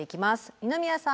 二宮さん